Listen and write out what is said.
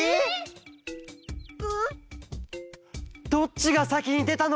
どっちがさきにでたの？